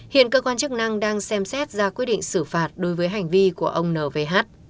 hiện cơ quan chức năng đang xem xét ra quyết định xử phạt đối với hành vi của ông n v h